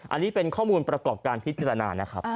อันนี้เป็นข้อมูลประกอบการพิจารณานะครับ